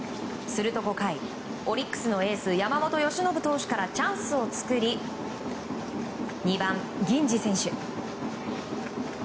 すると５回、オリックスのエース山本由伸投手からチャンスを作り２番、銀次選手。